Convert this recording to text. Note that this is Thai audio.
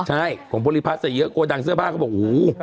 ใช่ของพลิพัทธ์ใส่เยอะโกดังเสื้อผ้าเขาบอกโอ้โห